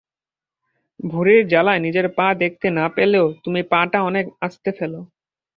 ভুঁড়ির জ্বালায় নিজের পা দেখতে না পেলেও তুমি পা টা অনেক আস্তে ফেলো।